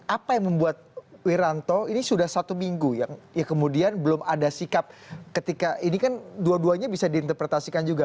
apa yang membuat wiranto ini sudah satu minggu yang ya kemudian belum ada sikap ketika ini kan dua duanya bisa diinterpretasikan juga